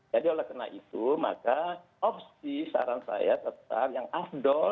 jadi kalau kena itu maka opsi saran saya tetap yang ahdol yang ahdol dan ahdol